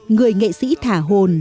người nghệ sĩ thả hồn